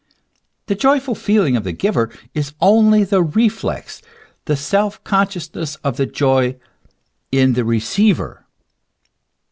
The joyful feeling of the giver is only the reflex, the self consciousness of the joy in the receiver.